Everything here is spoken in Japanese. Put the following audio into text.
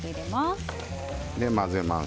混ぜます。